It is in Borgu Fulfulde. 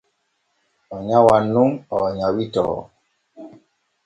O nyawan nun o nyawitoo.